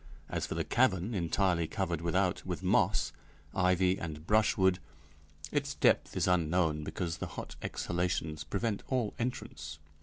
As for the cavern, entirely covered without with moss, ivy, and brushwood, its depth is unknown because the hot exhalations prevent all entrance.